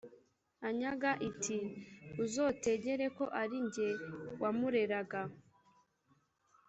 anyaga iti: uzotegere ko ari jye wamureraga,